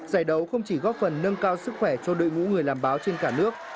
giải đấu không chỉ góp phần nâng cao sức khỏe cho đội ngũ người làm báo trên cả nước